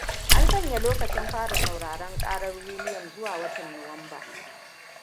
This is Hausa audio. An sanyalokacin fara sauraren ƙarar Willi'am zuwa watan Nuwamba.